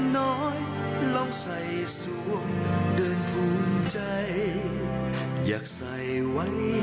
สวัสดีครับ